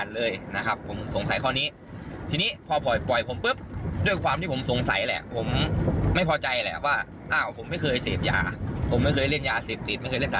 ทางโรงพยาบาลก็เอามาให้